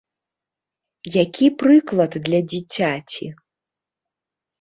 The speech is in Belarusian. Які прыклад для дзіцяці!